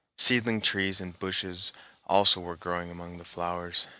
Seedling trees and bushes also were growing among the flowers.